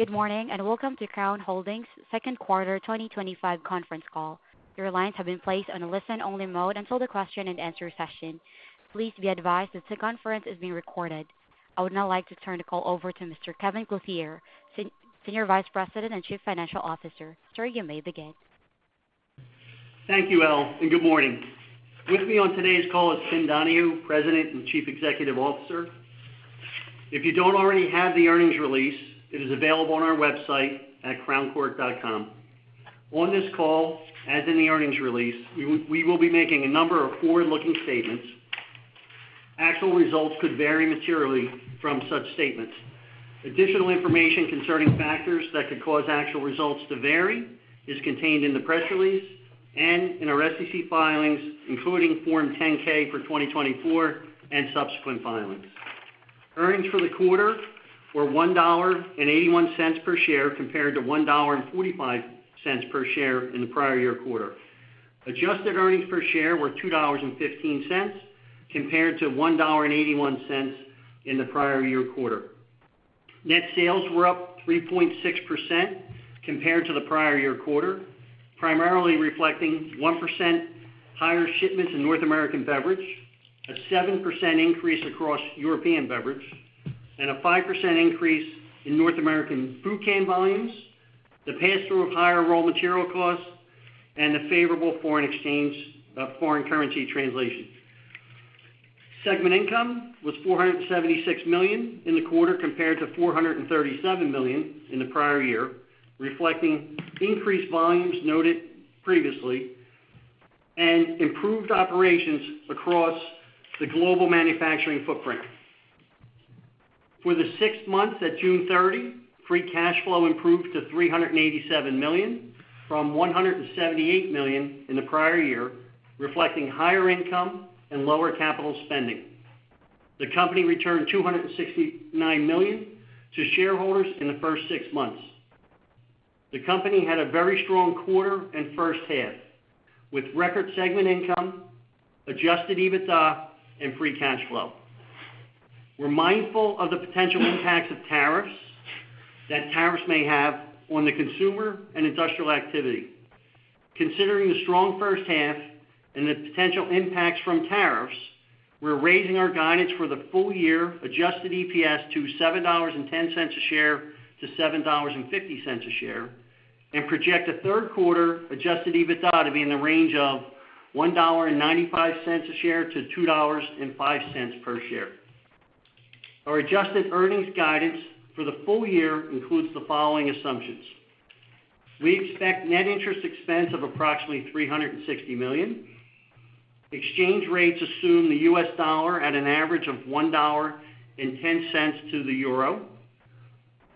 Good morning and welcome to Crown Holdings' Second Quarter 2025 Conference Call. Your lines have been placed on a listen-only mode until the question-and-answer session. Please be advised that this conference is being recorded. I would now like to turn the call over to Mr. Kevin Clothier, Senior Vice President and Chief Financial Officer. Sir, you may begin. Thank you, Elle, and good morning. With me on today's call is Tim Donahue, President and Chief Executive Officer. If you don't already have the earnings release, it is available on our website at crowncorp.com. On this call, as in the earnings release, we will be making a number of forward-looking statements. Actual results could vary materially from such statements. Additional information concerning factors that could cause actual results to vary is contained in the press release and in our SEC filings, including Form 10-K for 2024 and subsequent filings. Earnings for the quarter were $1.81 per share compared to $1.45 per share in the prior year quarter. Adjusted earnings per share were $2.15 compared to $1.81 in the prior year quarter. Net sales were up 3.6% compared to the prior year quarter, primarily reflecting 1% higher shipments in North American beverage, a 7% increase across European beverage, and a 5% increase in North American beverage can volumes, the pass-through of higher raw material costs, and the favorable foreign exchange of foreign currency translation. Segment Income was $476 million in the quarter compared to $437 million in the prior year, reflecting increased volumes noted previously and improved operations across the global manufacturing footprint. For the six months at June 30, Free Cash Flow improved to $387 million from $178 million in the prior year, reflecting higher income and lower capital spending. The company returned $269 million to shareholders in the first six months. The company had a very strong quarter and first half, with record Segment Income, Adjusted EBITDA, and Free Cash Flow. We're mindful of the potential impacts of tariffs that tariffs may have on the consumer and industrial activity. Considering the strong first half and the potential impacts from tariffs, we're raising our guidance for the full year, adjusted EPS to $7.10 a share-$7.50 a share, and project a third quarter adjusted EPS to be in the range of $1.95 a share-$2.05 per share. Our adjusted earnings guidance for the full year includes the following assumptions. We expect net interest expense of approximately $360 million. Exchange rates assume the U.S. dollar at an average of $1.10 to the euro.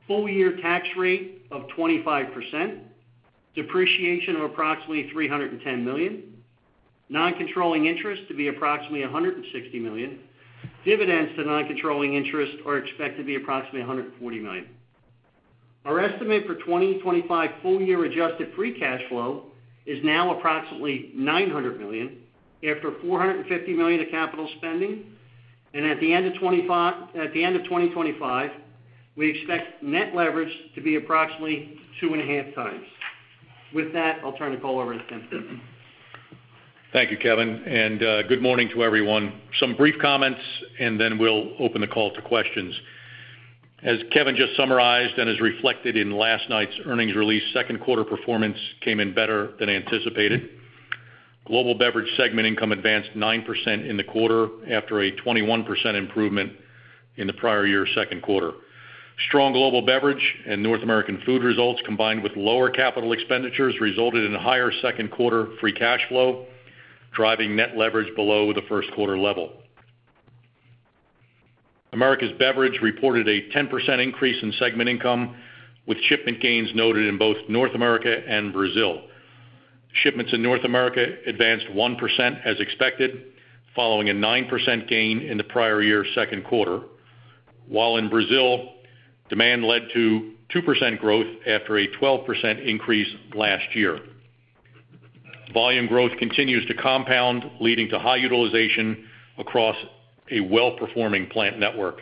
Full year tax rate of 25%. Depreciation of approximately $310 million. Non-controlling interest to be approximately $160 million. Dividends to non-controlling interest are expected to be approximately $140 million. Our estimate for 2025 full year adjusted Free Cash Flow is now approximately $900 million after $450 million of capital spending, and at the end of 2025, we expect Net Leverage to be approximately two and a half times. With that, I'll turn the call over to Tim. Thank you, Kevin. And good morning to everyone. Some brief comments, and then we'll open the call to questions. As Kevin just summarized and as reflected in last night's earnings release, second quarter performance came in better than anticipated. Global beverage Segment Income advanced 9% in the quarter after a 21% improvement in the prior year's second quarter. Strong global beverage and North American food results combined with lower capital expenditures resulted in higher second quarter Free Cash Flow, driving Net Leverage below the first quarter level. Americas beverage reported a 10% increase in Segment Income, with shipment gains noted in both North America and Brazil. Shipments in North America advanced 1% as expected, following a 9% gain in the prior year's second quarter, while in Brazil, demand led to 2% growth after a 12% increase last year. Volume growth continues to compound, leading to high utilization across a well-performing plant network.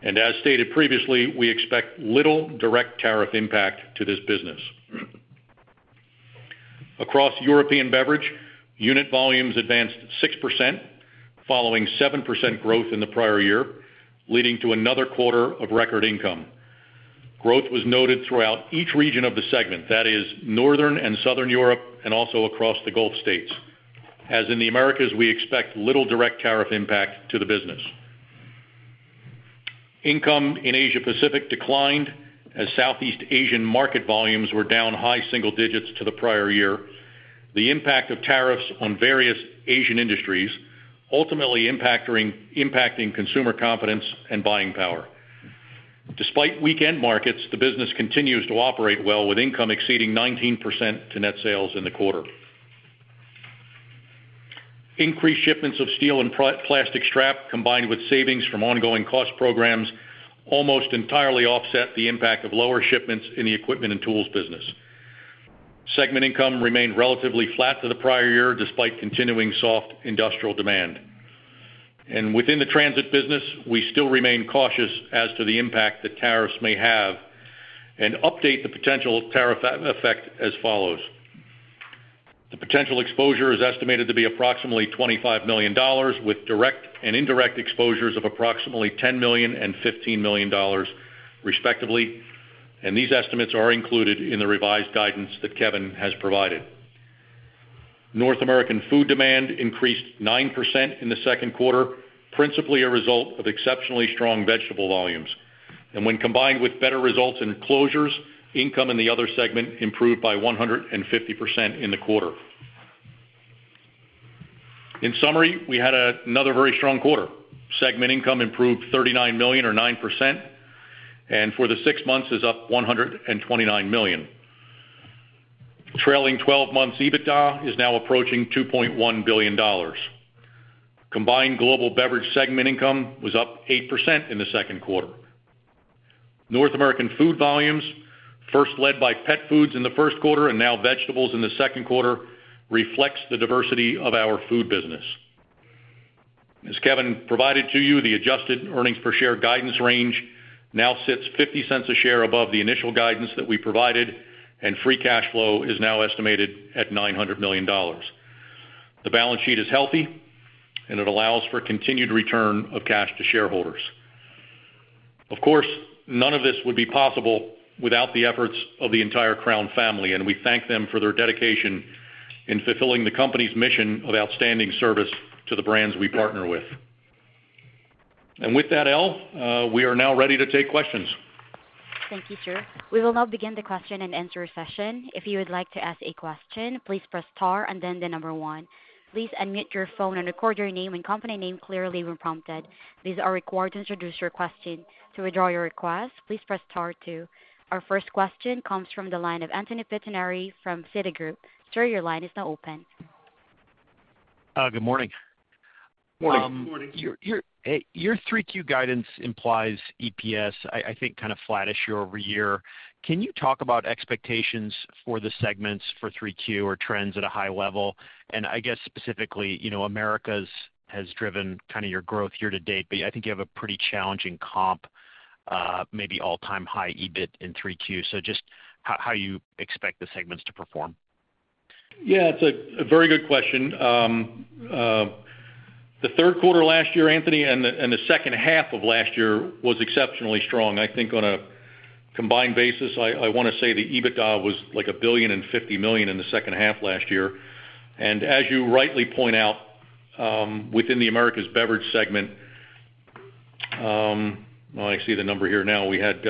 And as stated previously, we expect little direct tariff impact to this business. Across European beverage, unit volumes advanced 6%. Following 7% growth in the prior year, leading to another quarter of record income. Growth was noted throughout each region of the segment, that is, Northern and Southern Europe, and also across the Gulf States. As in the Americas, we expect little direct tariff impact to the business. Income in Asia-Pacific declined as Southeast Asian market volumes were down high single digits to the prior year. The impact of tariffs on various Asian industries ultimately impacting consumer confidence and buying power. Despite weekend markets, the business continues to operate well, with income exceeding 19% to net sales in the quarter. Increased shipments of steel and plastic strap, combined with savings from ongoing cost programs, almost entirely offset the impact of lower shipments in the equipment and tools business. Segment Income remained relatively flat to the prior year, despite continuing soft industrial demand. And within the transit business, we still remain cautious as to the impact that tariffs may have. And update the potential tariff effect as follows. The potential exposure is estimated to be approximately $25 million, with direct and indirect exposures of approximately $10 million and $15 million. Respectively, and these estimates are included in the revised guidance that Kevin has provided. North American food demand increased 9% in the second quarter, principally a result of exceptionally strong vegetable volumes. And when combined with better results in closures, income in the other segment improved by 150% in the quarter. In summary, we had another very strong quarter. Segment Income improved $39 million, or 9%. And for the six months, it's up $129 million. Trailing 12-month EBITDA is now approaching $2.1 billion. Combined global beverage Segment Income was up 8% in the second quarter. North American food volumes, first led by pet foods in the first quarter and now vegetables in the second quarter, reflects the diversity of our food business. As Kevin provided to you, the adjusted earnings per share guidance range now sits $0.50 a share above the initial guidance that we provided, and Free Cash Flow is now estimated at $900 million. The balance sheet is healthy, and it allows for continued return of cash to shareholders. Of course, none of this would be possible without the efforts of the entire Crown family, and we thank them for their dedication in fulfilling the company's mission of outstanding service to the brands we partner with. Elle, we are now ready to take questions. Thank you, sir. We will now begin the question and answer session. If you would like to ask a question, please press star and then the number one. Please unmute your phone and record your name and company name clearly when prompted. These are required to introduce your question. To withdraw your request, please press star two. Our first question comes from the line of Anthony Pettinari from Citigroup. Sir, your line is now open. Good morning. Morning. Morning. Your 3Q guidance implies EPS, I think, kind of flattish year over year. Can you talk about expectations for the segments for 3Q or trends at a high level? I guess specifically, Americas has driven kind of your growth year to date, but I think you have a pretty challenging comp. Maybe all-time high EBIT in 3Q. Just how you expect the segments to perform. Yeah, it's a very good question. The third quarter last year, Anthony, and the second half of last year was exceptionally strong. I think on a combined basis, I want to say the EBITDA was like $1.5 billion in the second half last year. As you rightly point out, within the Americas beverage segment, I see the number here now. We had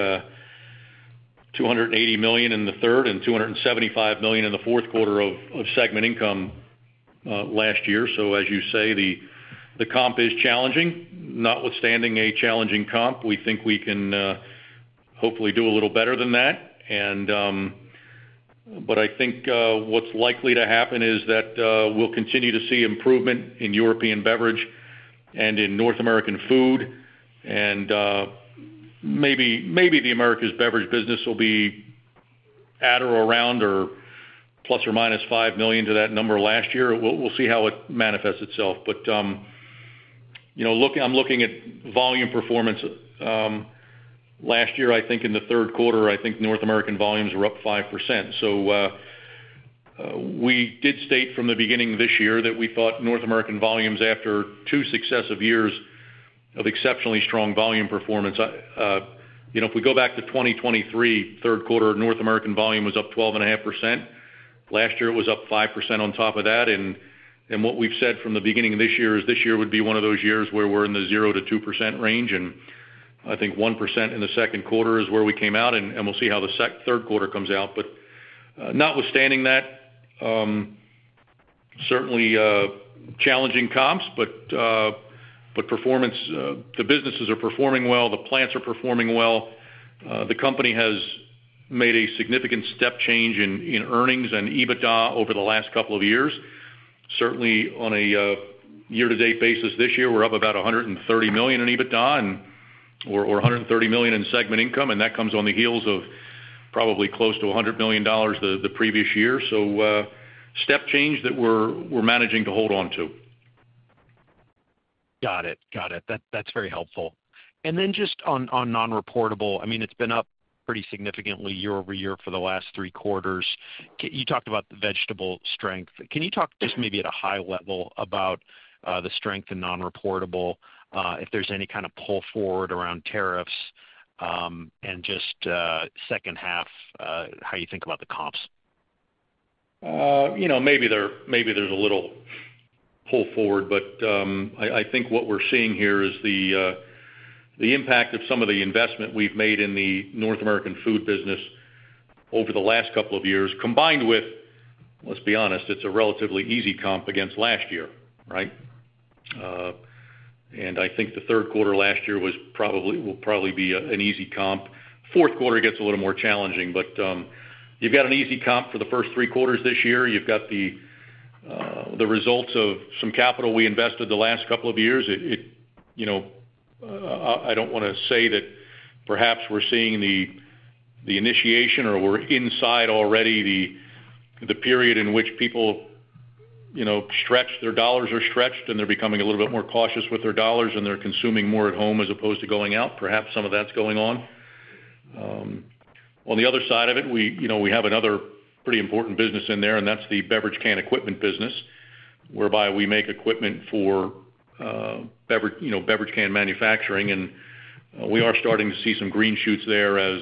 $280 million in the third and $275 million in the fourth quarter of Segment Income last year. As you say, the comp is challenging. Notwithstanding a challenging comp, we think we can hopefully do a little better than that. I think what's likely to happen is that we'll continue to see improvement in European beverage and in North American food. Maybe the Americas beverage business will be at or around or plus or minus $5 million to that number last year. We'll see how it manifests itself. I'm looking at volume performance. Last year, I think in the third quarter, I think North American volumes were up 5%. We did state from the beginning of this year that we thought North American volumes after two successive years of exceptionally strong volume performance. If we go back to 2023, third quarter, North American volume was up 12.5%. Last year, it was up 5% on top of that. What we've said from the beginning of this year is this year would be one of those years where we're in the 0-2% range. I think 1% in the second quarter is where we came out, and we'll see how the third quarter comes out. Notwithstanding that, certainly challenging comps, but performance, the businesses are performing well, the plants are performing well. The company has made a significant step change in earnings and EBITDA over the last couple of years. Certainly, on a year-to-date basis this year, we're up about $130 million in EBITDA or $130 million in Segment Income, and that comes on the heels of probably close to $100 million the previous year. Step change that we're managing to hold on to. Got it. Got it. That's very helpful. Just on non-reportable, I mean, it's been up pretty significantly year over year for the last three quarters. You talked about the vegetable strength. Can you talk just maybe at a high level about the strength in non-reportable, if there's any kind of pull forward around tariffs? Just second half, how you think about the comps? Maybe there's a little pull forward, but I think what we're seeing here is the impact of some of the investment we've made in the North American food business over the last couple of years, combined with, let's be honest, it's a relatively easy comp against last year, right? I think the third quarter last year will probably be an easy comp. Fourth quarter gets a little more challenging, but you've got an easy comp for the first three quarters this year. You've got the results of some capital we invested the last couple of years. I don't want to say that perhaps we're seeing the initiation or we're inside already the period in which people stretch, their dollars are stretched, and they're becoming a little bit more cautious with their dollars and they're consuming more at home as opposed to going out. Perhaps some of that's going on. On the other side of it, we have another pretty important business in there, and that's the beverage can equipment business, whereby we make equipment for beverage can manufacturing. We are starting to see some green shoots there as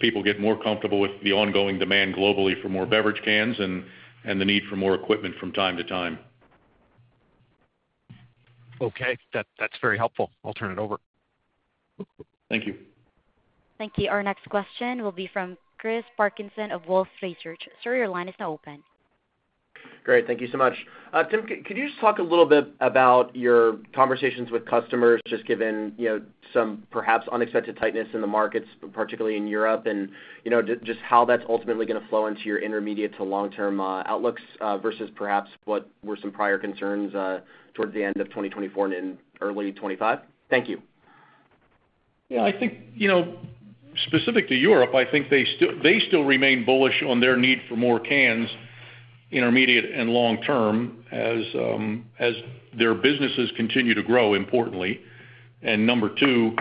people get more comfortable with the ongoing demand globally for more beverage cans and the need for more equipment from time to time. Okay. That's very helpful. I'll turn it over. Thank you. Thank you. Our next question will be from Chris Parkinson of Wolfe Research. Sir, your line is now open. Great. Thank you so much. Tim, could you just talk a little bit about your conversations with customers, just given some perhaps unexpected tightness in the markets, particularly in Europe, and just how that's ultimately going to flow into your intermediate to long-term outlooks versus perhaps what were some prior concerns towards the end of 2024 and early 2025? Thank you. Yeah. I think. Specific to Europe, I think they still remain bullish on their need for more cans intermediate and long-term as their businesses continue to grow importantly. Number two,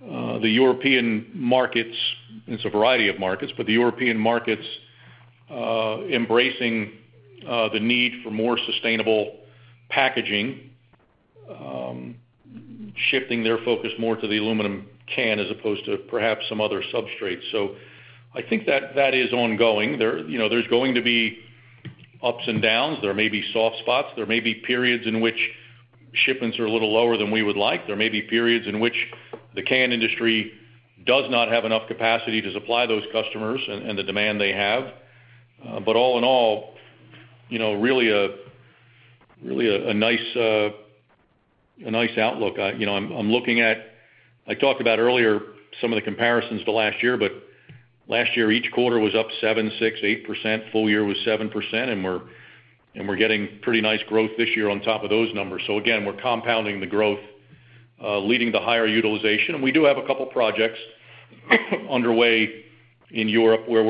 the European markets, and it's a variety of markets, but the European markets are embracing the need for more sustainable packaging, shifting their focus more to the aluminum can as opposed to perhaps some other substrate. I think that that is ongoing. There are going to be ups and downs. There may be soft spots. There may be periods in which shipments are a little lower than we would like. There may be periods in which the can industry does not have enough capacity to supply those customers and the demand they have. All in all, really a nice outlook. I'm looking at, I talked about earlier some of the comparisons to last year, but last year, each quarter was up 7%, 6%, 8%. Full year was 7%, and we're getting pretty nice growth this year on top of those numbers. Again, we're compounding the growth, leading to higher utilization. We do have a couple of projects underway in Europe where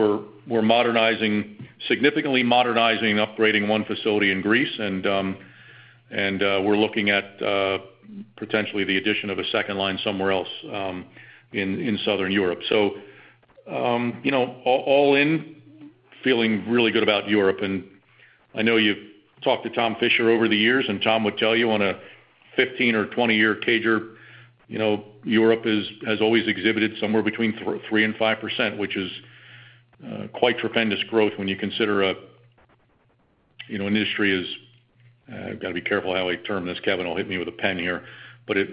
we're modernizing, significantly modernizing, upgrading one facility in Greece. We're looking at potentially the addition of a second line somewhere else in Southern Europe. All in, feeling really good about Europe. I know you've talked to Tom Fischer over the years, and Tom would tell you on a 15 or 20-year Cajun, Europe has always exhibited somewhere between 3% and 5%, which is quite tremendous growth when you consider an industry is—I've got to be careful how I term this. Kevin will hit me with a pen here.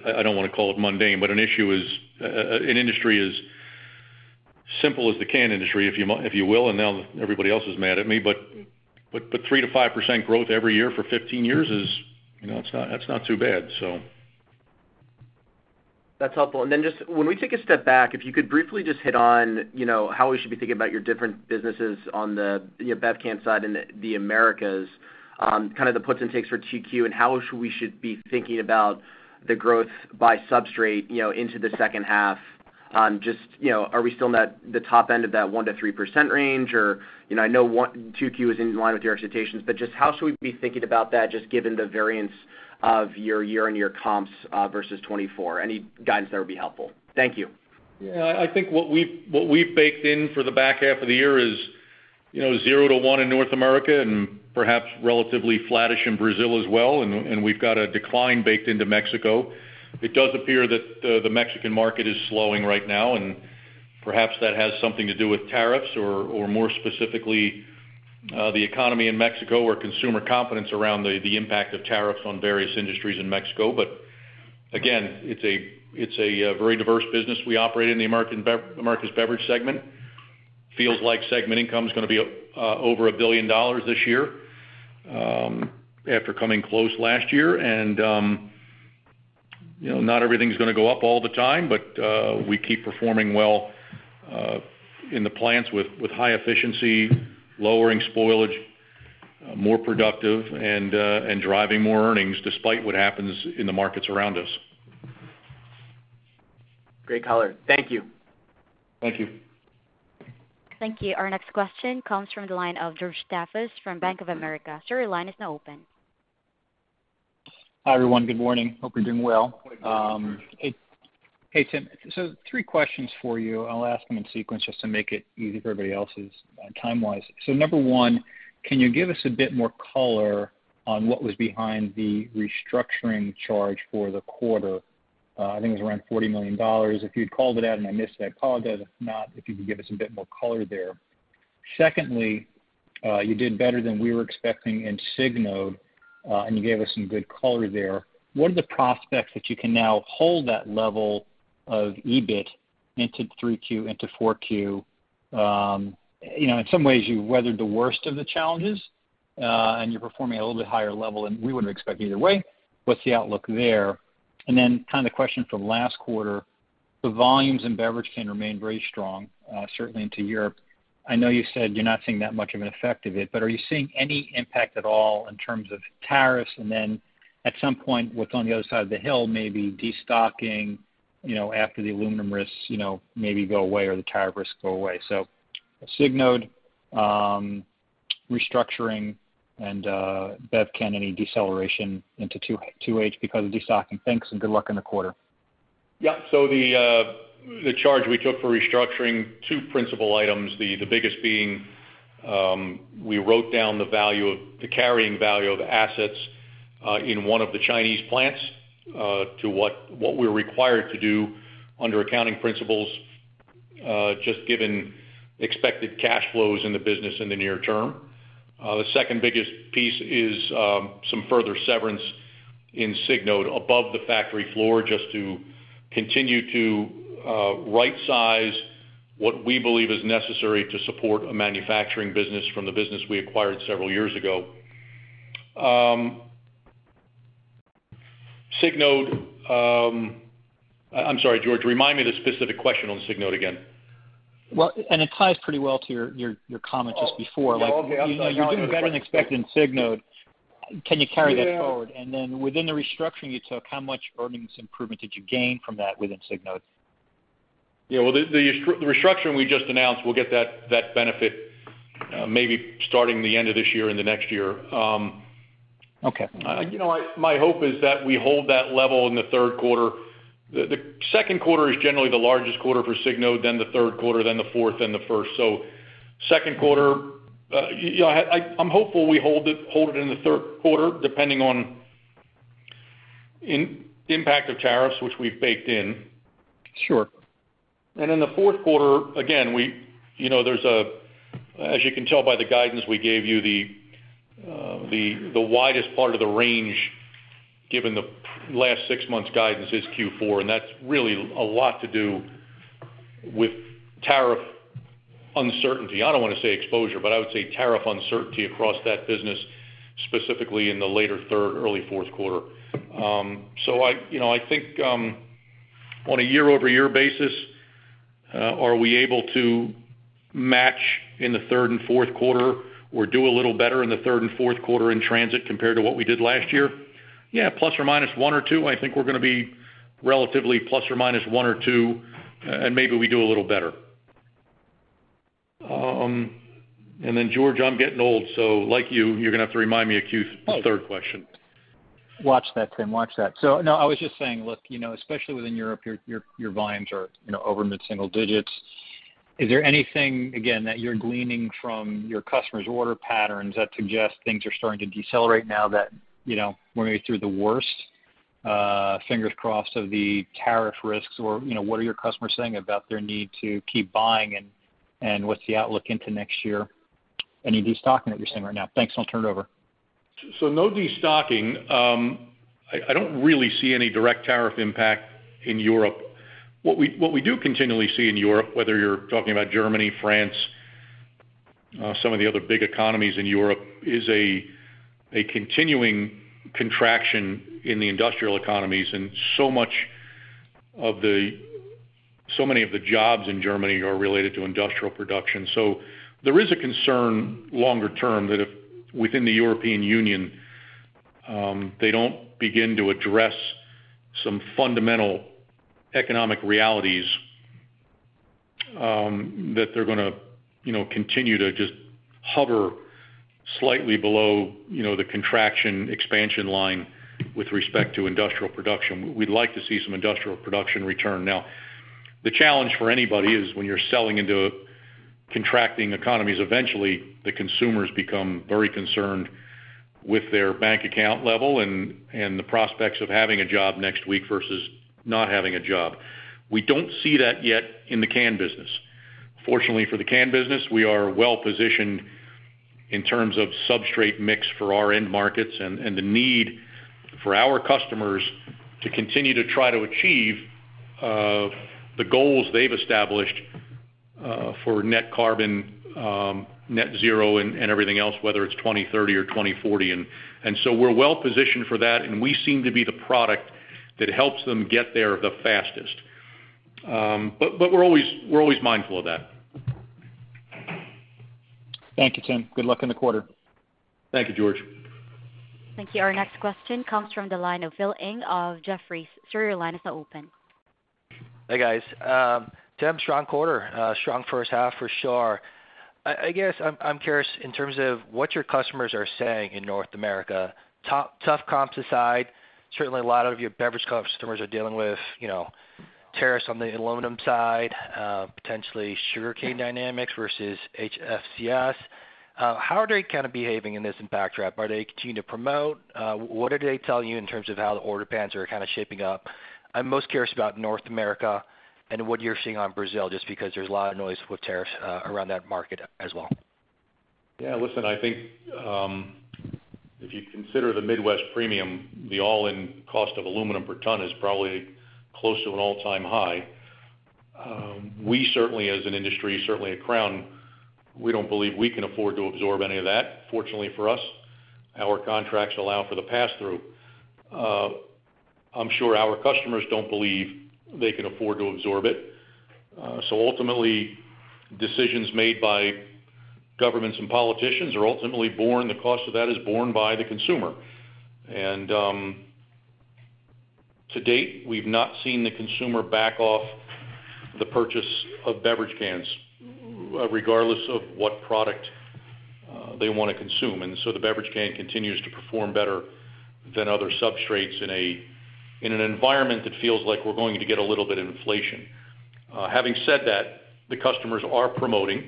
I don't want to call it mundane, but an issue is an industry as simple as the can industry, if you will. Now everybody else is mad at me. But 3%-5% growth every year for 15 years is, that's not too bad, so. That's helpful. When we take a step back, if you could briefly just hit on how we should be thinking about your different businesses on the BevCan side and the Americas, kind of the puts and takes for 2Q and how we should be thinking about the growth by substrate into the second half. Just are we still in the top end of that 1-3% range, or I know 2Q is in line with your expectations, but just how should we be thinking about that, just given the variance of your year-on-year comps versus 2024? Any guidance that would be helpful? Thank you. Yeah. I think what we've baked in for the back half of the year is 0-1 in North America and perhaps relatively flattish in Brazil as well. We've got a decline baked into Mexico. It does appear that the Mexican market is slowing right now. Perhaps that has something to do with tariffs or, more specifically, the economy in Mexico or consumer confidence around the impact of tariffs on various industries in Mexico. Again, it's a very diverse business we operate in the Americas beverage segment. Feels like Segment Income is going to be over $1 billion this year after coming close last year. Not everything's going to go up all the time, but we keep performing well in the plants with high efficiency, lowering spoilage, more productive, and driving more earnings despite what happens in the markets around us. Great color. Thank you. Thank you. Thank you. Our next question comes from the line of George Staphos from Bank of America. Sir, your line is now open. Hi, everyone. Good morning. Hope you're doing well. Hey, Tim. So three questions for you. I'll ask them in sequence just to make it easy for everybody else's time-wise. Number one, can you give us a bit more color on what was behind the restructuring charge for the quarter? I think it was around $40 million. If you'd called it out and I missed it, I apologize. If not, if you could give us a bit more color there. Secondly, you did better than we were expecting in Signode , and you gave us some good color there. What are the prospects that you can now hold that level of EBIT into 3Q, into 4Q? In some ways, you weathered the worst of the challenges, and you're performing at a little bit higher level than we would have expected either way. What's the outlook there? Then kind of the question from last quarter, the volumes in beverage can remain very strong, certainly into Europe. I know you said you're not seeing that much of an effect of it, but are you seeing any impact at all in terms of tariffs? At some point, what's on the other side of the hill may be destocking after the aluminum risks maybe go away or the tariff risks go away. Signode, restructuring, and beverage can, any deceleration into 2H because of destocking. Thanks, and good luck in the quarter. Yeah. The charge we took for restructuring, two principal items, the biggest being we wrote down the carrying value of assets in one of the Chinese plants to what we're required to do under accounting principles, just given expected cash flows in the business in the near term. The second biggest piece is some further severance in Signode above the factory floor just to continue to right-size what we believe is necessary to support a manufacturing business from the business we acquired several years ago. Signode. I'm sorry, George, remind me the specific question on Signode again. It ties pretty well to your comment just before. You're doing better than expected in Signode. Can you carry that forward? Within the restructuring you took, how much earnings improvement did you gain from that within Signode? Yeah. The restructuring we just announced, we'll get that benefit maybe starting the end of this year and the next year. Okay. My hope is that we hold that level in the third quarter. The second quarter is generally the largest quarter for Signode, then the third quarter, then the fourth, and the first. Second quarter. I'm hopeful we hold it in the third quarter, depending on the impact of tariffs, which we've baked in. Sure. In the fourth quarter, again, as you can tell by the guidance we gave you, the widest part of the range, given the last six months' guidance, is Q4. That is really a lot to do with tariff uncertainty. I do not want to say exposure, but I would say tariff uncertainty across that business, specifically in the later third, early fourth quarter. I think, on a year-over-year basis, are we able to match in the third and fourth quarter or do a little better in the third and fourth quarter in transit compared to what we did last year? Yeah, plus or minus one or two. I think we are going to be relatively plus or minus one or two, and maybe we do a little better. Then, George, I am getting old, so like you, you are going to have to remind me of the Q3 question. Watch that, Tim. Watch that. I was just saying, look, especially within Europe, your volumes are over mid-single digits. Is there anything, again, that you're gleaning from your customers' order patterns that suggest things are starting to decelerate now that we're maybe through the worst? Fingers crossed of the tariff risks or what are your customers saying about their need to keep buying and what's the outlook into next year? Any destocking that you're seeing right now? Thanks. I'll turn it over. No destocking. I do not really see any direct tariff impact in Europe. What we do continually see in Europe, whether you are talking about Germany, France, some of the other big economies in Europe, is a continuing contraction in the industrial economies. So many of the jobs in Germany are related to industrial production. There is a concern longer term that if within the European Union they do not begin to address some fundamental economic realities, they are going to continue to just hover slightly below the contraction expansion line with respect to industrial production. We would like to see some industrial production return. The challenge for anybody is when you are selling into contracting economies, eventually the consumers become very concerned with their bank account level and the prospects of having a job next week versus not having a job. We do not see that yet in the can business. Fortunately for the can business, we are well positioned in terms of substrate mix for our end markets and the need for our customers to continue to try to achieve the goals they have established for net carbon, net zero, and everything else, whether it is 2030 or 2040. We are well positioned for that, and we seem to be the product that helps them get there the fastest. We are always mindful of that. Thank you, Tim. Good luck in the quarter. Thank you, George. Thank you. Our next question comes from the line of Phil Ng of Jefferies. Sir, your line is now open. Hey, guys. Tim, strong quarter, strong first half for sure. I guess I'm curious in terms of what your customers are saying in North America. Tough comps aside, certainly a lot of your beverage customers are dealing with tariffs on the aluminum side, potentially sugarcane dynamics versus HFCS. How are they kind of behaving in this backdrop? Are they continuing to promote? What are they telling you in terms of how the order pans are kind of shaping up? I'm most curious about North America and what you're seeing on Brazil, just because there's a lot of noise with tariffs around that market as well. Yeah. Listen, I think. If you consider the Midwest Premium, the all-in cost of aluminum per ton is probably close to an all-time high. We certainly, as an industry, certainly at Crown, we don't believe we can afford to absorb any of that. Fortunately for us, our contracts allow for the pass-through. I'm sure our customers don't believe they can afford to absorb it. Ultimately, decisions made by governments and politicians are ultimately borne; the cost of that is borne by the consumer. To date, we've not seen the consumer back off the purchase of beverage cans. Regardless of what product they want to consume. The beverage can continues to perform better than other substrates in an environment that feels like we're going to get a little bit of inflation. Having said that, the customers are promoting.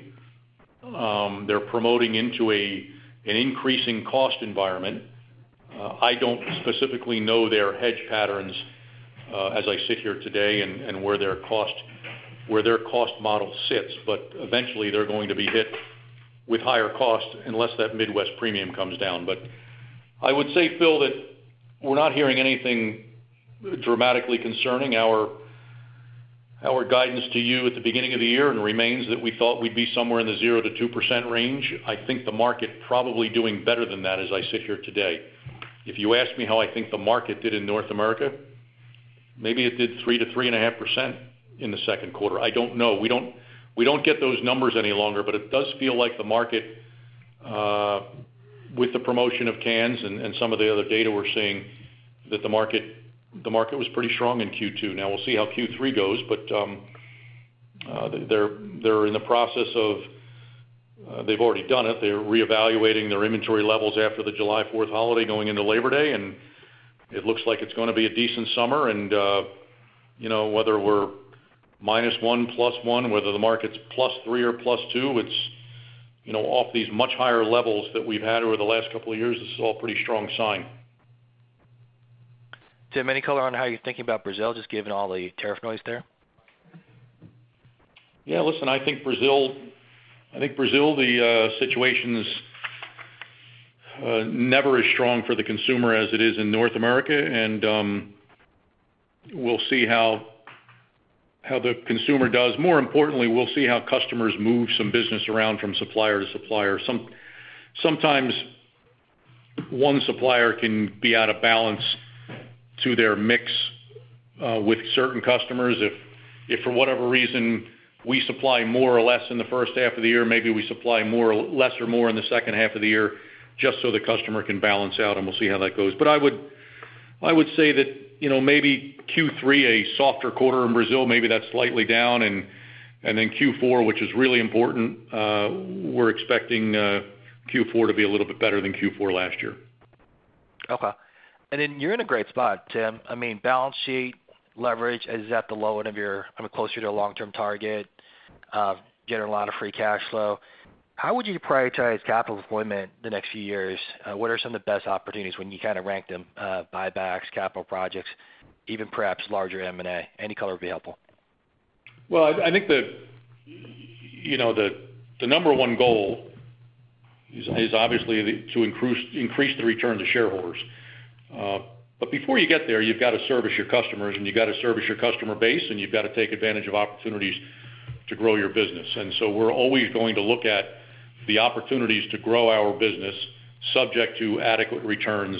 They're promoting into an increasing cost environment. I don't specifically know their hedge patterns as I sit here today and where their cost model sits. Eventually, they're going to be hit with higher costs unless that Midwest Premium comes down. I would say, Phil, that we're not hearing anything dramatically concerning. Our guidance to you at the beginning of the year remains that we thought we'd be somewhere in the 0-2% range. I think the market is probably doing better than that as I sit here today. If you ask me how I think the market did in North America, maybe it did 3-3.5% in the second quarter. I don't know. We don't get those numbers any longer, but it does feel like the market, with the promotion of cans and some of the other data we're seeing, that the market was pretty strong in Q2. Now, we'll see how Q3 goes. They're in the process of, they've already done it, they're reevaluating their inventory levels after the July 4th holiday going into Labor Day. It looks like it's going to be a decent summer. Whether we're minus one, plus one, whether the market's plus three or plus two, it's off these much higher levels that we've had over the last couple of years. This is all a pretty strong sign. Tim, any color on how you're thinking about Brazil, just given all the tariff noise there? Yeah. Listen, I think Brazil. The situation is never as strong for the consumer as it is in North America. We'll see how the consumer does. More importantly, we'll see how customers move some business around from supplier to supplier. Sometimes one supplier can be out of balance to their mix with certain customers. If for whatever reason we supply more or less in the first half of the year, maybe we supply less or more in the second half of the year, just so the customer can balance out. We'll see how that goes. I would say that maybe Q3, a softer quarter in Brazil, maybe that's slightly down. Q4, which is really important, we're expecting Q4 to be a little bit better than Q4 last year. Okay. You are in a great spot, Tim. I mean, balance sheet, leverage, is that the low end of your, I mean, closer to a long-term target, getting a lot of Free Cash Flow? How would you prioritize capital deployment the next few years? What are some of the best opportunities when you kind of rank them? Buybacks, capital projects, even perhaps larger M&A? Any color would be helpful. I think the number one goal is obviously to increase the return to shareholders. Before you get there, you've got to service your customers, and you've got to service your customer base, and you've got to take advantage of opportunities to grow your business. We're always going to look at the opportunities to grow our business, subject to adequate returns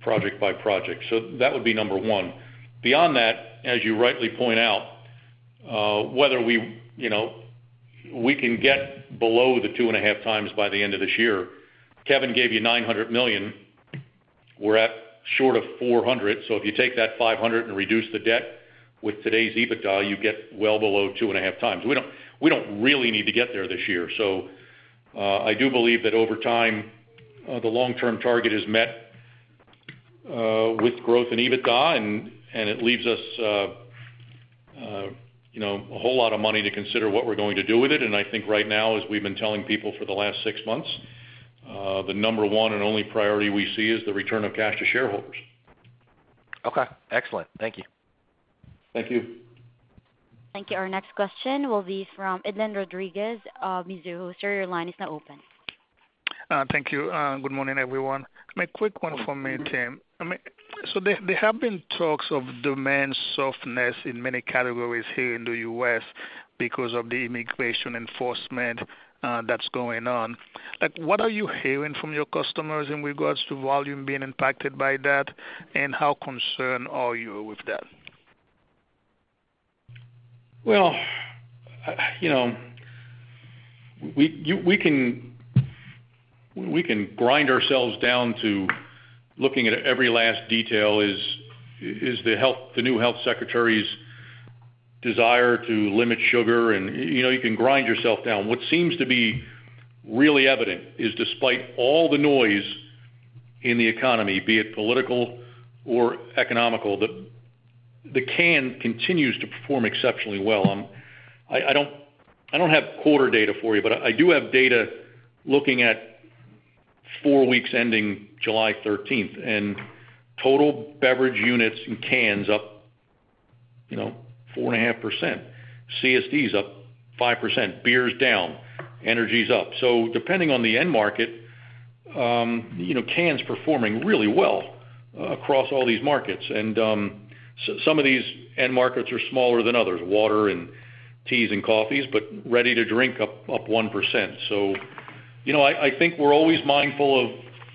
project by project. That would be number one. Beyond that, as you rightly point out, whether we can get below the two and a half times by the end of this year, Kevin gave you $900 million. We're short of $400 million. If you take that $500 million and reduce the debt with today's EBITDA, you get well below two and a half times. We don't really need to get there this year. I do believe that over time, the long-term target is met with growth in EBITDA, and it leaves us a whole lot of money to consider what we're going to do with it. I think right now, as we've been telling people for the last six months, the number one and only priority we see is the return of cash to shareholders. Okay. Excellent. Thank you. Thank you. Thank you. Our next question will be from Edlain Rodriguez of Mizuho. Sir, your line is now open. Thank you. Good morning, everyone. My quick one for me, Tim. There have been talks of demand softness in many categories here in the U.S. because of the immigration enforcement that is going on. What are you hearing from your customers in regards to volume being impacted by that, and how concerned are you with that? We can grind ourselves down to looking at every last detail. The new health secretary's desire to limit sugar, and you can grind yourself down. What seems to be really evident is, despite all the noise in the economy, be it political or economical, that the can continues to perform exceptionally well. I do not have quarter data for you, but I do have data looking at four weeks ending July 13, and total beverage units in cans up 4.5%. CSDs up 5%. Beers down. Energies up. Depending on the end market, can's performing really well across all these markets. Some of these end markets are smaller than others, water and teas and coffees, but ready to drink up 1%. I think we are always mindful of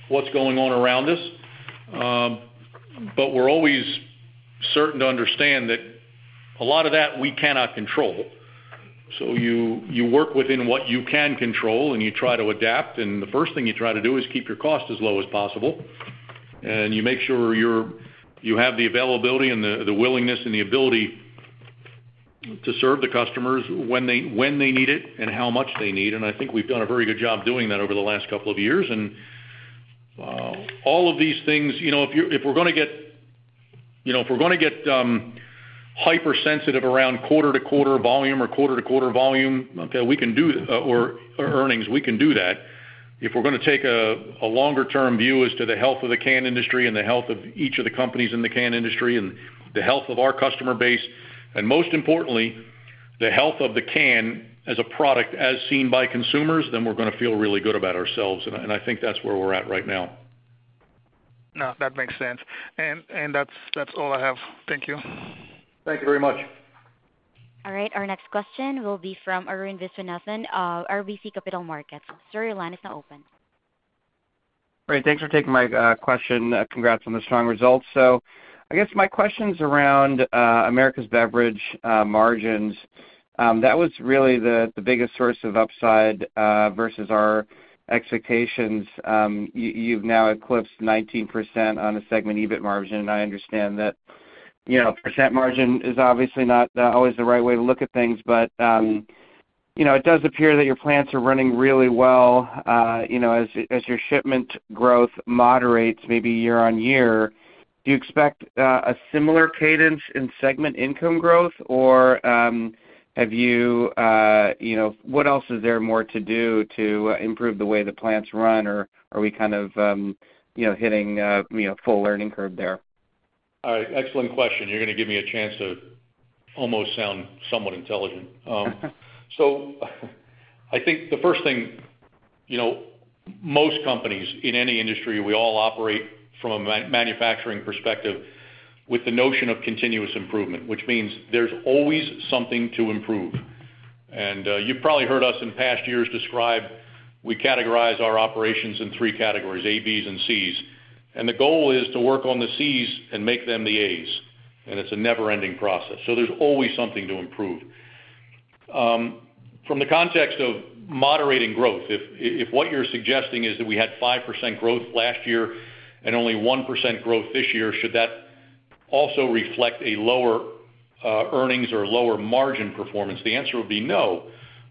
what is going on around us, but we are always certain to understand that a lot of that we cannot control. You work within what you can control, and you try to adapt. The first thing you try to do is keep your cost as low as possible. You make sure you have the availability and the willingness and the ability to serve the customers when they need it and how much they need. I think we have done a very good job doing that over the last couple of years. All of these things, if we are going to get hypersensitive around quarter-to-quarter volume or quarter-to-quarter earnings, we can do that. If we are going to take a longer-term view as to the health of the can industry and the health of each of the companies in the can industry and the health of our customer base, and most importantly, the health of the can as a product as seen by consumers, we are going to feel really good about ourselves. I think that is where we are at right now. No, that makes sense. That is all I have. Thank you. Thank you very much. All right. Our next question will be from Arun Viswanathan, RBC Capital Markets. Sir, your line is now open. All right. Thanks for taking my question. Congrats on the strong results. I guess my question is around Americas beverage margins. That was really the biggest source of upside versus our expectations. You've now eclipsed 19% on a segment EBIT margin. I understand that % margin is obviously not always the right way to look at things. It does appear that your plants are running really well. As your shipment growth moderates maybe year on year, do you expect a similar cadence in Segment Income growth? Have you, what else is there more to do to improve the way the plants run? Are we kind of hitting a full learning curve there? All right. Excellent question. You're going to give me a chance to almost sound somewhat intelligent. I think the first thing, most companies in any industry, we all operate from a manufacturing perspective with the notion of continuous improvement, which means there's always something to improve. You've probably heard us in past years describe we categorize our operations in three categories: As, Bs, and Cs. The goal is to work on the Cs and make them the As. It's a never-ending process, so there's always something to improve. From the context of moderating growth, if what you're suggesting is that we had 5% growth last year and only 1% growth this year, should that also reflect a lower earnings or lower margin performance? The answer would be no,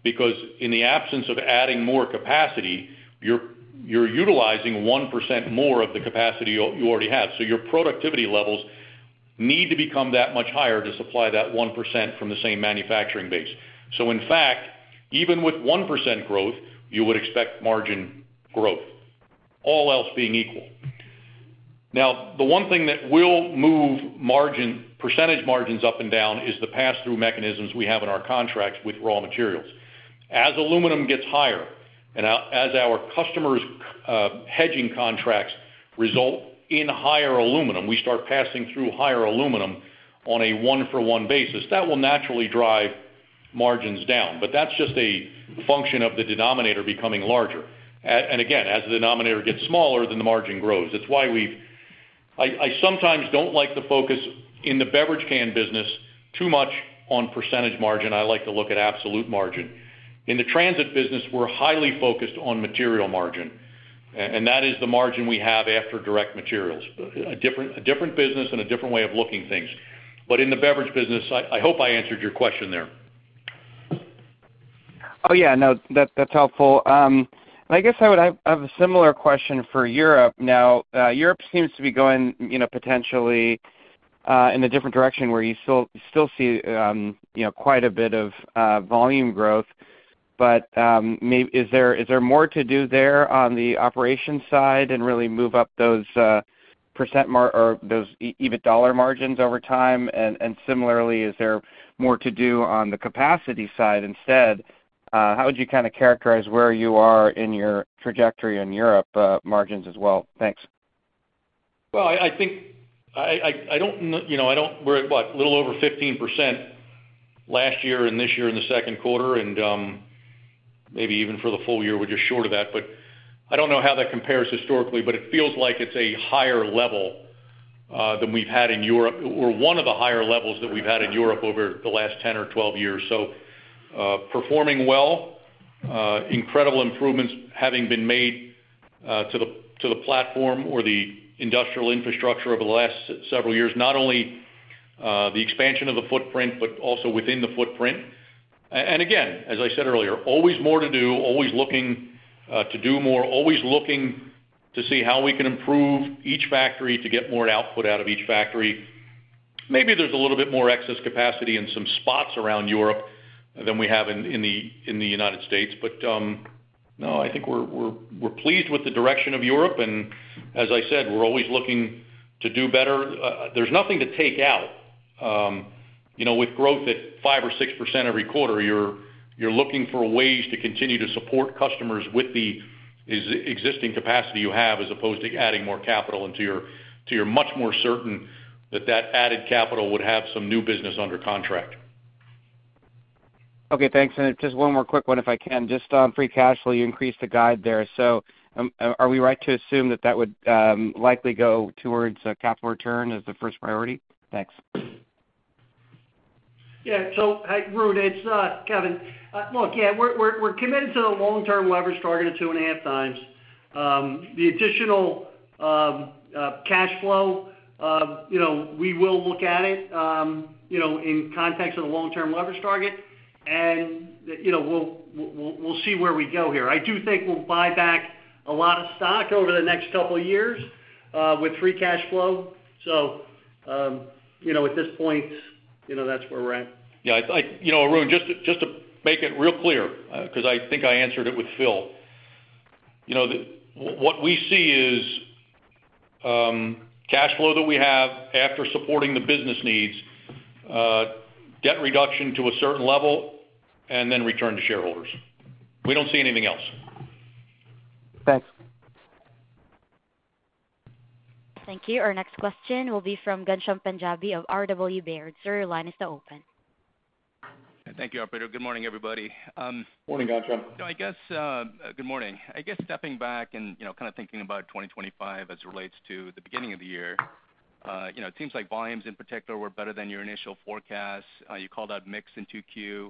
because in the absence of adding more capacity, you're utilizing 1% more of the capacity you already have. Your productivity levels need to become that much higher to supply that 1% from the same manufacturing base. In fact, even with 1% growth, you would expect margin growth, all else being equal. The one thing that will move percentage margins up and down is the pass-through mechanisms we have in our contracts with raw materials. As aluminum gets higher and as our customers' hedging contracts result in higher aluminum, we start passing through higher aluminum on a one-for-one basis. That will naturally drive margins down, but that's just a function of the denominator becoming larger. Again, as the denominator gets smaller, then the margin grows. It's why I sometimes don't like to focus in the beverage can business too much on percentage margin. I like to look at absolute margin. In the transit business, we're highly focused on material margin, and that is the margin we have after direct materials. A different business and a different way of looking at things. In the beverage business, I hope I answered your question there. Oh, yeah. No, that's helpful. I guess I would have a similar question for Europe. Now, Europe seems to be going potentially in a different direction where you still see quite a bit of volume growth. Is there more to do there on the operation side and really move up those % or those EBIT dollar margins over time? Similarly, is there more to do on the capacity side instead? How would you kind of characterize where you are in your trajectory in Europe margins as well? Thanks. I think. I don't know. I don't worry about a little over 15%. Last year and this year in the second quarter, and. Maybe even for the full year, we're just short of that. I don't know how that compares historically, but it feels like it's a higher level than we've had in Europe. We're one of the higher levels that we've had in Europe over the last 10 or 12 years. Performing well. Incredible improvements having been made to the platform or the industrial infrastructure over the last several years, not only the expansion of the footprint, but also within the footprint. Again, as I said earlier, always more to do, always looking to do more, always looking to see how we can improve each factory to get more output out of each factory. Maybe there's a little bit more excess capacity in some spots around Europe than we have in the United States. I think we're pleased with the direction of Europe. As I said, we're always looking to do better. There's nothing to take out. With growth at 5-6% every quarter, you're looking for ways to continue to support customers with the existing capacity you have as opposed to adding more capital until you're much more certain that that added capital would have some new business under contract. Okay. Thanks. Just one more quick one, if I can. Just on Free Cash Flow, you increased the guide there. Are we right to assume that that would likely go towards capital return as the first priority? Thanks. Yeah. Hi, Arun. It's Kevin. Look, yeah, we're committed to the long-term leverage target of 2.5 times. The additional cash flow, we will look at it in context of the long-term leverage target. We'll see where we go here. I do think we'll buy back a lot of stock over the next couple of years with Free Cash Flow. At this point, that's where we're at. Yeah. Arun, just to make it real clear, because I think I answered it with Phil. What we see is cash flow that we have after supporting the business needs, debt reduction to a certain level, and then return to shareholders. We do not see anything else. Thanks. Thank you. Our next question will be from Ghansham Panjabi of R.W. Baird. Sir, your line is now open. Thank you, Operator. Good morning, everybody. Morning, Ghansham. Good morning. I guess stepping back and kind of thinking about 2025 as it relates to the beginning of the year, it seems like volumes in particular were better than your initial forecast. You called out mix in 2Q,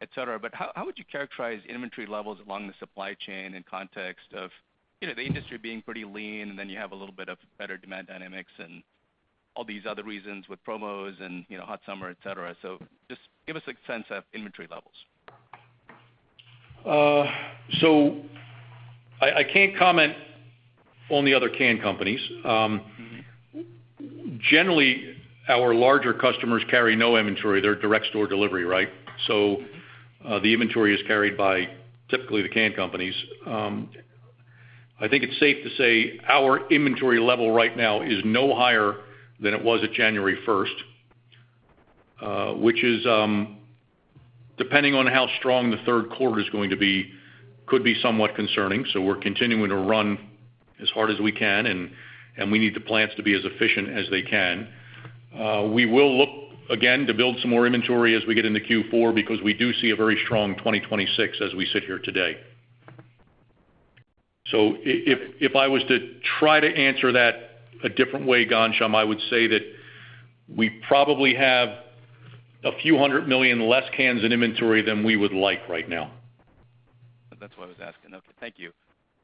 etc. How would you characterize inventory levels along the supply chain in context of the industry being pretty lean and then you have a little bit of better demand dynamics and all these other reasons with promos and hot summer, etc.? Just give us a sense of inventory levels. I can't comment on the other can companies. Generally, our larger customers carry no inventory. They're direct store delivery, right? The inventory is carried by typically the can companies. I think it's safe to say our inventory level right now is no higher than it was at January 1. Which is, depending on how strong the third quarter is going to be, could be somewhat concerning. We're continuing to run as hard as we can, and we need the plants to be as efficient as they can. We will look again to build some more inventory as we get into Q4 because we do see a very strong 2026 as we sit here today. If I was to try to answer that a different way, Ghansham, I would say that we probably have a few hundred million less cans in inventory than we would like right now. That's what I was asking. Okay. Thank you.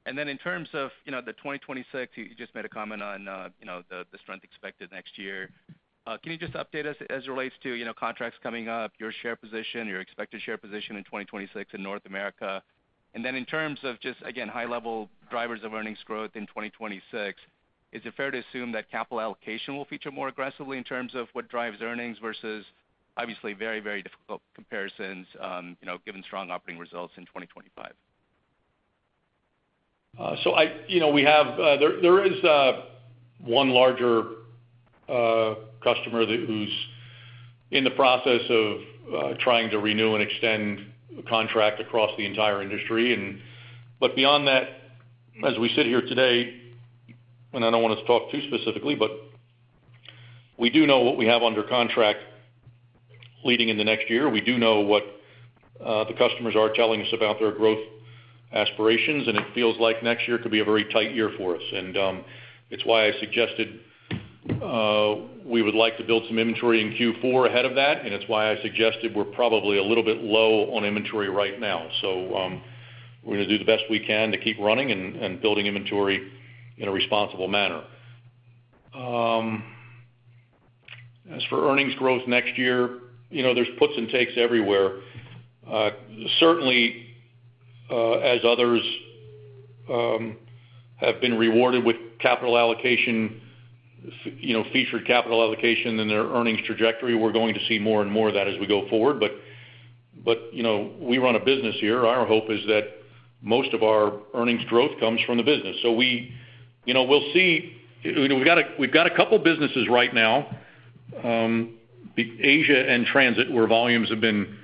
In terms of the 2026, you just made a comment on the strength expected next year. Can you just update us as it relates to contracts coming up, your share position, your expected share position in 2026 in North America? In terms of just, again, high-level drivers of earnings growth in 2026, is it fair to assume that capital allocation will feature more aggressively in terms of what drives earnings versus obviously very, very difficult comparisons given strong operating results in 2025? We have. There is one larger customer who's in the process of trying to renew and extend contract across the entire industry. Beyond that, as we sit here today, and I don't want to talk too specifically, but we do know what we have under contract leading in the next year. We do know what the customers are telling us about their growth aspirations, and it feels like next year could be a very tight year for us. It's why I suggested we would like to build some inventory in Q4 ahead of that, and it's why I suggested we're probably a little bit low on inventory right now. We're going to do the best we can to keep running and building inventory in a responsible manner. As for earnings growth next year, there's puts and takes everywhere. Certainly, as others have been rewarded with capital allocation, featured capital allocation in their earnings trajectory, we're going to see more and more of that as we go forward. We run a business here. Our hope is that most of our earnings growth comes from the business. We'll see. We've got a couple of businesses right now, Asia and transit, where volumes have been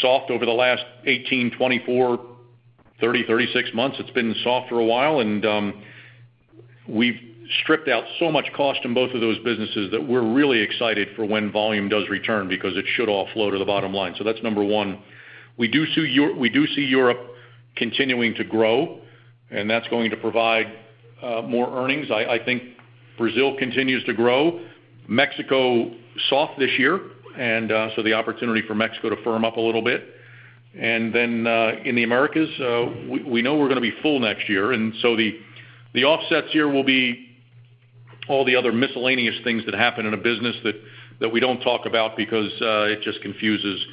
soft over the last 18, 24, 30, 36 months. It's been soft for a while. We've stripped out so much cost in both of those businesses that we're really excited for when volume does return because it should all flow to the bottom line. That's number one. We do see Europe continuing to grow, and that's going to provide more earnings. I think Brazil continues to grow. Mexico is soft this year, and so the opportunity for Mexico to firm up a little bit. In the Americas, we know we're going to be full next year. The offsets here will be all the other miscellaneous things that happen in a business that we don't talk about because it just confuses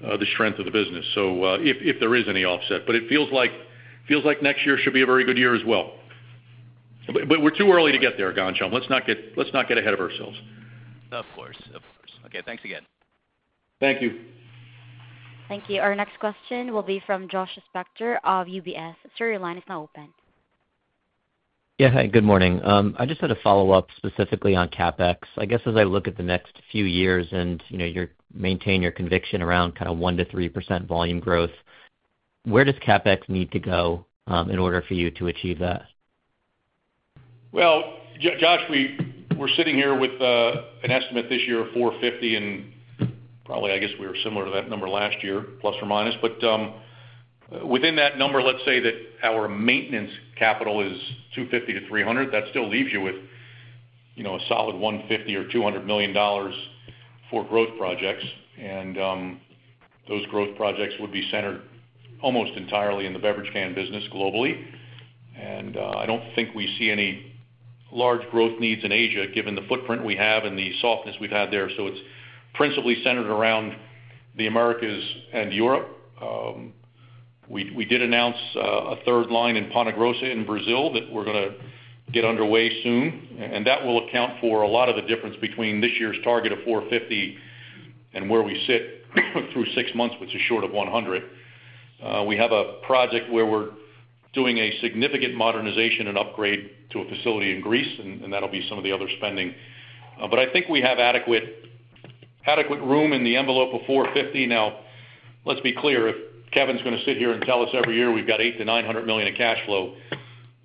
the strength of the business, if there is any offset. It feels like next year should be a very good year as well. We're too early to get there, Ghansham. Let's not get ahead of ourselves. Of course. Of course. Okay. Thanks again. Thank you. Thank you. Our next question will be from Josh Spector of UBS. Sir, your line is now open. Yeah. Hi. Good morning. I just had a follow-up specifically on CapEx. I guess as I look at the next few years and you maintain your conviction around kind of 1-3% volume growth. Where does CapEx need to go in order for you to achieve that? Josh, we're sitting here with an estimate this year of $450 million, and probably I guess we were similar to that number last year, plus or minus. Within that number, let's say that our maintenance capital is $250 million-$300 million, that still leaves you with a solid $150 million or $200 million for growth projects. Those growth projects would be centered almost entirely in the beverage can business globally. I don't think we see any large growth needs in Asia given the footprint we have and the softness we've had there. It is principally centered around the Americas and Europe. We did announce a third line in Ponta Grossa in Brazil that we're going to get underway soon. That will account for a lot of the difference between this year's target of $450 million and where we sit through six months, which is short of $100 million. We have a project where we're doing a significant modernization and upgrade to a facility in Greece, and that'll be some of the other spending. I think we have adequate room in the envelope of $450 million. Now, let's be clear. If Kevin's going to sit here and tell us every year we've got $800 million-$900 million in cash flow,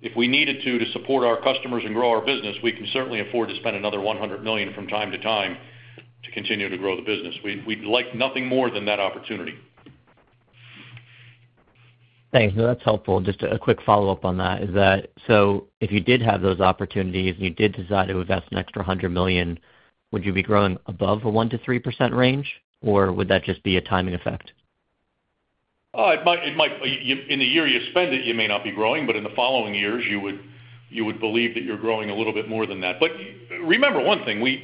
if we needed to support our customers and grow our business, we can certainly afford to spend another $100 million from time to time to continue to grow the business. We'd like nothing more than that opportunity. Thanks. No, that's helpful. Just a quick follow-up on that is that so if you did have those opportunities and you did decide to invest an extra $100 million, would you be growing above a 1-3% range, or would that just be a timing effect? Oh, it might. In the year you spend it, you may not be growing, but in the following years, you would believe that you're growing a little bit more than that. Remember one thing. We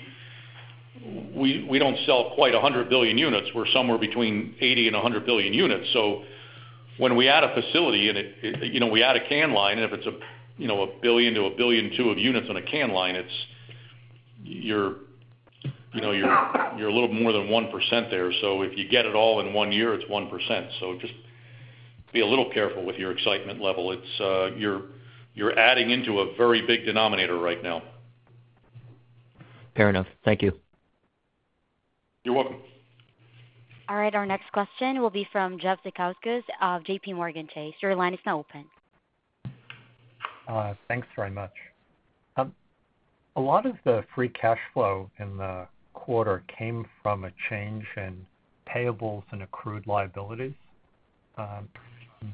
don't sell quite 100 billion units. We're somewhere between 80 and 100 billion units. When we add a facility and we add a can line, and if it's a billion to a billion two of units on a can line, it's a little more than 1% there. If you get it all in one year, it's 1%. Just be a little careful with your excitement level. You're adding into a very big denominator right now. Fair enough. Thank you. You're welcome. All right. Our next question will be from Jeff Zekauskas of JPMorgan Chase. Your line is now open. Thanks very much. A lot of the Free Cash Flow in the quarter came from a change in payables and accrued liabilities.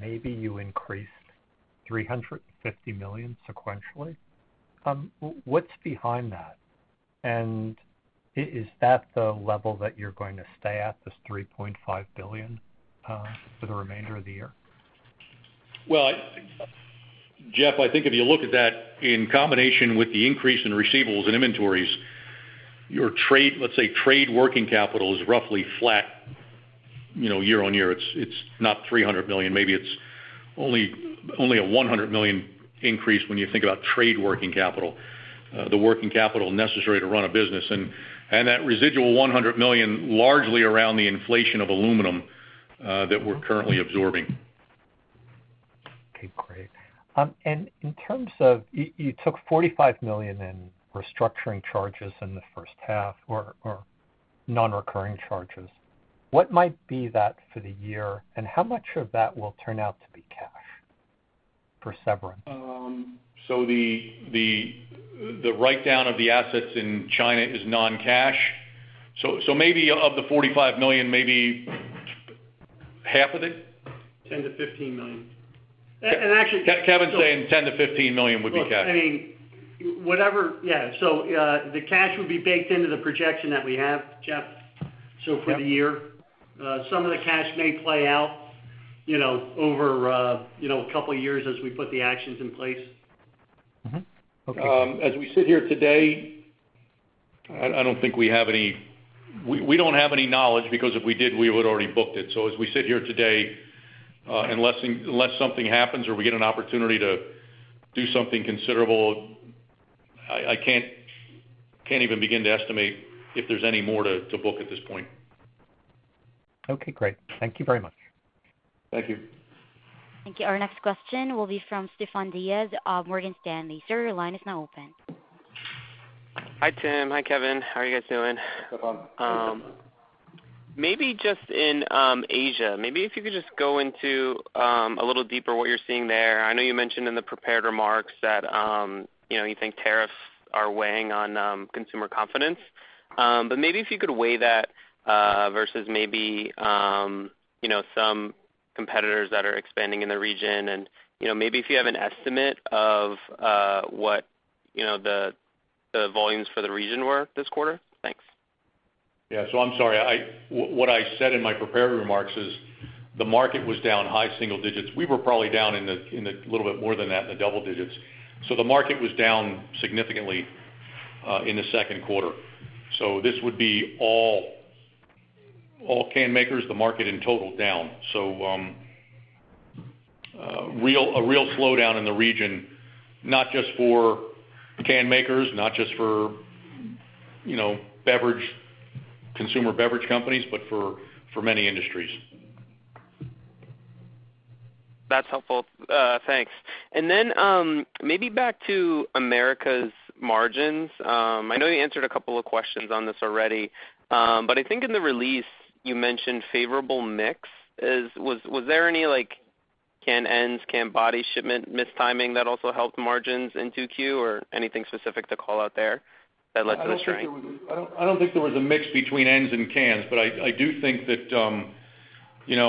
Maybe you increased $350 million sequentially. What's behind that? Is that the level that you're going to stay at, this $3.5 billion, for the remainder of the year? Jeff, I think if you look at that in combination with the increase in receivables and inventories, your trade, let's say trade working capital is roughly flat year on year. It's not $300 million. Maybe it's only a $100 million increase when you think about trade working capital, the working capital necessary to run a business. That residual $100 million is largely around the inflation of aluminum that we're currently absorbing. Okay. Great. In terms of you took $45 million in restructuring charges in the first half or non-recurring charges, what might be that for the year, and how much of that will turn out to be cash for severance? The write-down of the assets in China is non-cash. So maybe of the $45 million, maybe half of it? $10 million-$15 million. Actually, Kevin's saying $10 million-$15 million would be cash. I mean, whatever. Yeah. The cash would be baked into the projection that we have, Jeff, for the year. Some of the cash may play out over a couple of years as we put the actions in place. As we sit here today, I do not think we have any—we do not have any knowledge because if we did, we would have already booked it. As we sit here today, unless something happens or we get an opportunity to do something considerable, I cannot even begin to estimate if there is any more to book at this point. Okay. Great. Thank you very much. Thank you. Thank you. Our next question will be from Stefan Diaz of Morgan Stanley. Sir, your line is now open. Hi, Tim. Hi, Kevin. How are you guys doing? Good. Maybe just in Asia, maybe if you could just go into a little deeper what you're seeing there. I know you mentioned in the prepared remarks that you think tariffs are weighing on consumer confidence. Maybe if you could weigh that versus maybe some competitors that are expanding in the region, and maybe if you have an estimate of what the volumes for the region were this quarter. Thanks. Yeah. I'm sorry. What I said in my prepared remarks is the market was down high single digits. We were probably down a little bit more than that in the double digits. The market was down significantly in the second quarter. This would be all can makers, the market in total down. A real slowdown in the region, not just for can makers, not just for consumer beverage companies, but for many industries. That's helpful. Thanks. Maybe back to Americas margins. I know you answered a couple of questions on this already, but I think in the release you mentioned favorable mix. Was there any can ends, can body shipment, missed timing that also helped margins into Q or anything specific to call out there that led to the strength? I don't think there was a mix between ends and cans, but I do think that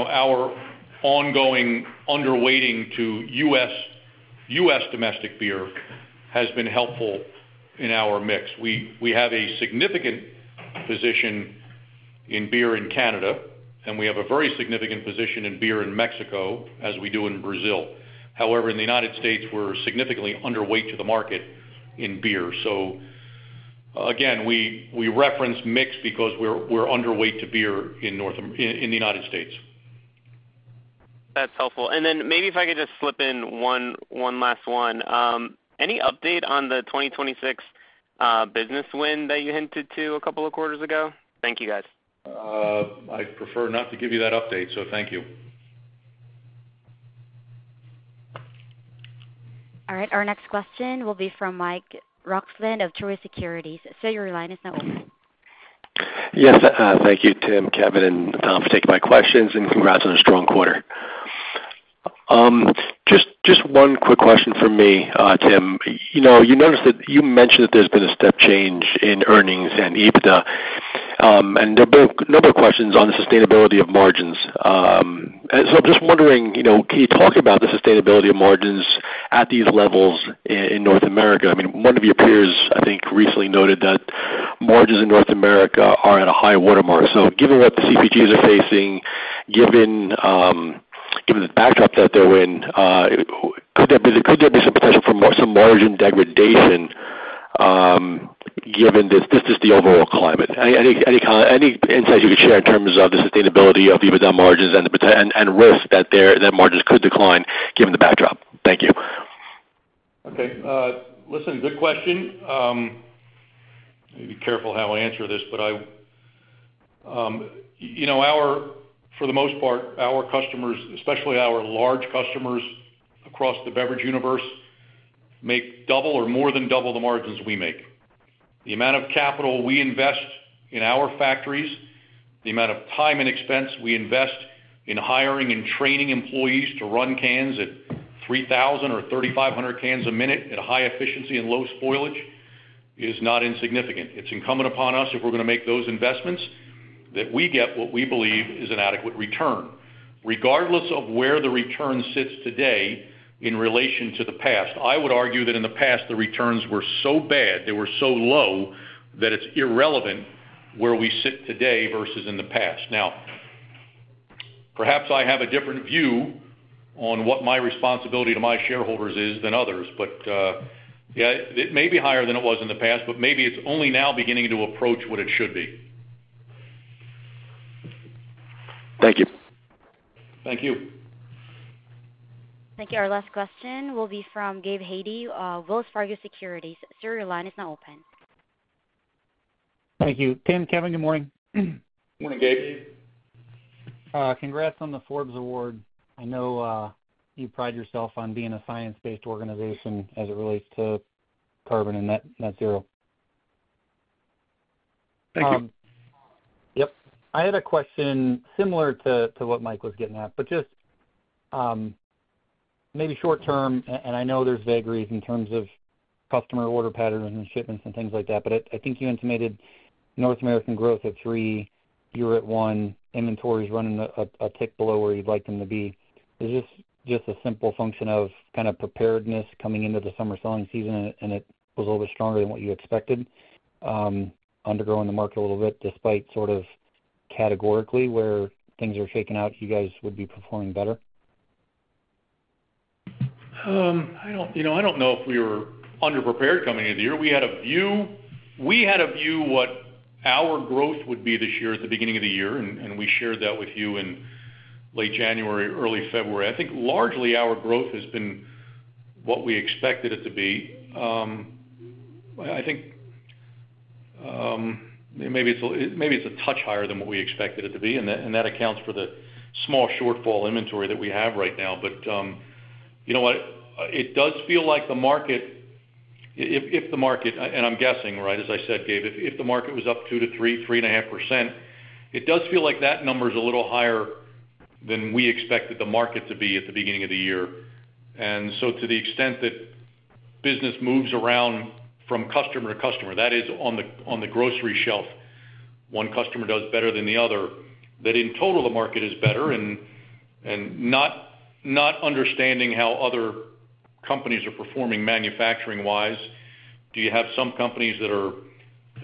our ongoing underweighting to U.S. domestic beer has been helpful in our mix. We have a significant position in beer in Canada, and we have a very significant position in beer in Mexico as we do in Brazil. However, in the United States, we're significantly underweight to the market in beer. Again, we reference mix because we're underweight to beer in the United States. That's helpful. Maybe if I could just slip in one last one. Any update on the 2026 business win that you hinted to a couple of quarters ago? Thank you, guys. I prefer not to give you that update, so thank you. All right. Our next question will be from Mike Roxland of Truist Securities. Sir, your line is now open. Yes. Thank you, Tim, Kevin, and Tim for taking my questions, and congrats on a strong quarter. Just one quick question for me, Tim. You mentioned that there's been a step change in earnings and EBITDA. And there are a number of questions on the sustainability of margins. So I'm just wondering, can you talk about the sustainability of margins at these levels in North America? I mean, one of your peers, I think, recently noted that margins in North America are at a high watermark. So given what the CPGs are facing, given the backdrop that they're in, could there be some potential for some margin degradation, given that this is the overall climate? Any insight you could share in terms of the sustainability of EBITDA margins and risk that margins could decline given the backdrop? Thank you. Okay. Listen, good question. I need to be careful how I answer this, but. For the most part, our customers, especially our large customers across the beverage universe, make double or more than double the margins we make. The amount of capital we invest in our factories, the amount of time and expense we invest in hiring and training employees to run cans at 3,000 or 3,500 cans a minute at a high efficiency and low spoilage is not insignificant. It's incumbent upon us, if we're going to make those investments, that we get what we believe is an adequate return, regardless of where the return sits today in relation to the past. I would argue that in the past, the returns were so bad, they were so low, that it's irrelevant where we sit today versus in the past. Now. Perhaps I have a different view on what my responsibility to my shareholders is than others. Yeah, it may be higher than it was in the past, but maybe it's only now beginning to approach what it should be. Thank you. Thank you. Thank you. Our last question will be from Gabe Hajde, Wells Fargo Securities. Sir, your line is now open. Thank you. Tim, Kevin, good morning. Morning, Gabe. Gabe. Congrats on the Forbes Award. I know you pride yourself on being a science-based organization as it relates to carbon and net zero. Thank you. Yep. I had a question similar to what Mike was getting at, but just maybe short term. I know there's vagaries in terms of customer order patterns and shipments and things like that, but I think you intimated North American growth at 3, you were at 1, inventories running a tick below where you'd like them to be. Is this just a simple function of kind of preparedness coming into the summer selling season, and it was a little bit stronger than what you expected? Undergrowing the market a little bit despite sort of categorically where things are shaken out, you guys would be performing better? I don't know if we were underprepared coming into the year. We had a view. We had a view what our growth would be this year at the beginning of the year, and we shared that with you in late January, early February. I think largely our growth has been what we expected it to be. I think maybe it's a touch higher than what we expected it to be, and that accounts for the small shortfall inventory that we have right now. You know what? It does feel like the market. If the market—I'm guessing, right? As I said, Gabe, if the market was up 2-3, 3.5%, it does feel like that number is a little higher than we expected the market to be at the beginning of the year. To the extent that business moves around from customer to customer, that is on the grocery shelf. One customer does better than the other, that in total the market is better. Not understanding how other companies are performing manufacturing-wise, do you have some companies that are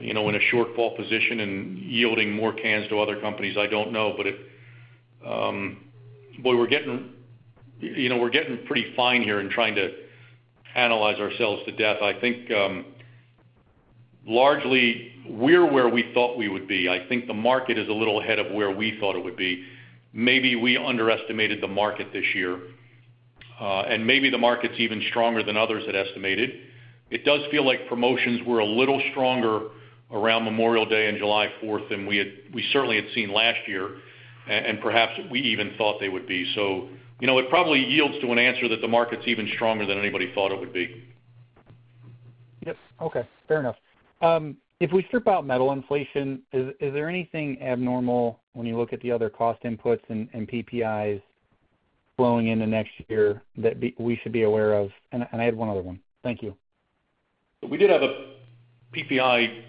in a shortfall position and yielding more cans to other companies? I don't know, but boy, we're getting pretty fine here in trying to analyze ourselves to death. I think largely we're where we thought we would be. I think the market is a little ahead of where we thought it would be. Maybe we underestimated the market this year, and maybe the market's even stronger than others had estimated. It does feel like promotions were a little stronger around Memorial Day and July 4th than we certainly had seen last year, and perhaps we even thought they would be. It probably yields to an answer that the market's even stronger than anybody thought it would be. Yep. Okay. Fair enough. If we strip out metal inflation, is there anything abnormal when you look at the other cost inputs and PPIs flowing into next year that we should be aware of? I had one other one. Thank you. We did have a PPI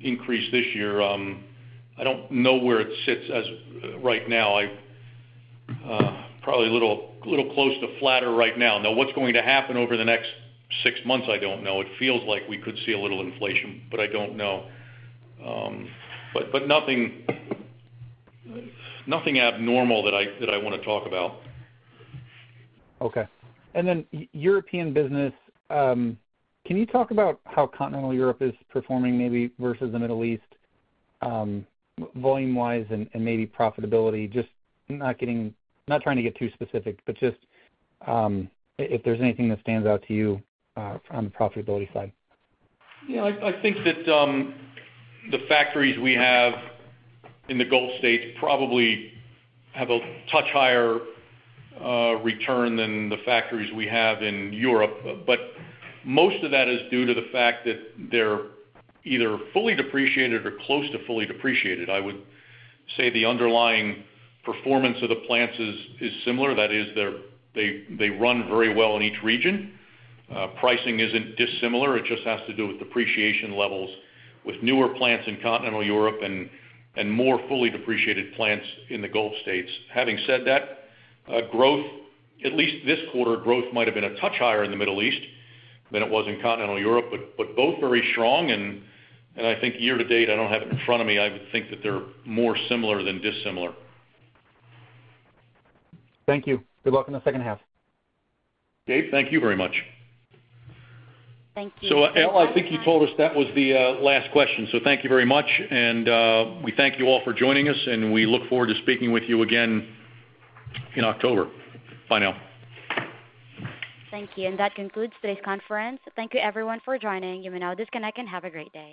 increase this year. I don't know where it sits right now. Probably a little close to flatter right now. Now, what's going to happen over the next six months, I don't know. It feels like we could see a little inflation, but I don't know. Nothing abnormal that I want to talk about. Okay. And then European business. Can you talk about how Continental Europe is performing maybe versus the Middle East? Volume-wise and maybe profitability? Just not trying to get too specific, but just. If there's anything that stands out to you on the profitability side. Yeah. I think that. The factories we have in the Gulf States probably have a touch higher return than the factories we have in Europe. But most of that is due to the fact that they're either fully depreciated or close to fully depreciated. I would say the underlying performance of the plants is similar. That is, they run very well in each region. Pricing isn't dissimilar. It just has to do with depreciation levels with newer plants in Continental Europe and more fully depreciated plants in the Gulf States. Having said that. At least this quarter, growth might have been a touch higher in the Middle East than it was in Continental Europe, but both very strong. I think year to date, I don't have it in front of me. I would think that they're more similar than dissimilar. Thank you. Good luck in the second half. Gabe, thank you very much. Thank you. I think you told us that was the last question. Thank you very much. We thank you all for joining us, and we look forward to speaking with you again in October. Bye now. Thank you. That concludes today's conference. Thank you, everyone, for joining. You may now disconnect and have a great day.